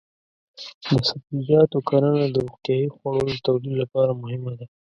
د سبزیجاتو کرنه د روغتیايي خوړو د تولید لپاره مهمه ده.